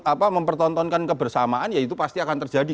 apa mempertontonkan kebersamaan ya itu pasti akan terjadi